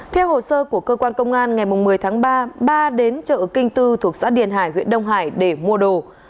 theo hồ sơ của cơ quan công an ngày một mươi tháng ba ba đến chợ kinh tư thuộc xã điền hải huyện đông hải để mua đồ